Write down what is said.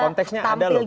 konteksnya ada loh pak